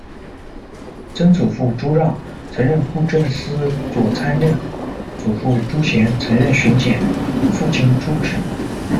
曾祖父诸让，曾任布政司左叅政；祖父诸弦，曾任巡检；父亲诸址。